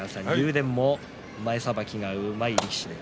電も前さばきがうまい力士です。